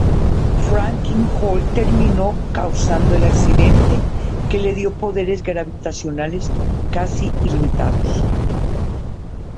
Franklin Hall terminó causando el accidente que le dio poderes gravitacionales casi ilimitados.